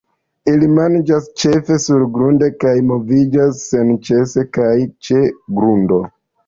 Ili manĝas ĉefe surgrunde, kaj moviĝas senĉese kaj ĉe grundo.